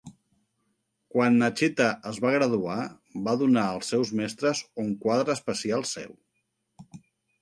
Quan Nechita es va graduar, va donar als seus mestres un quadre especial seu.